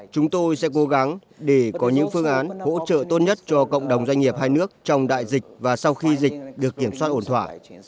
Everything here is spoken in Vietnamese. chúng tôi sẽ cố gắng để có những phương án hỗ trợ tốt nhất cho cộng đồng doanh nghiệp hai nước trong đại dịch và sau khi dịch được kiểm soát ổn thỏa